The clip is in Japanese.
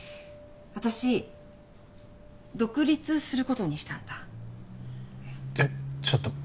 私独立することにしたんだえっ？